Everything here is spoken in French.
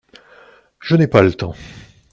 Je n’ai pas le temps !…